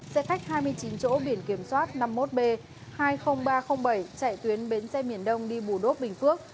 xe khách hai mươi chín chỗ biển kiểm soát năm mươi một b hai mươi nghìn ba trăm linh bảy chạy tuyến bến xe miền đông đi bù đốp bình phước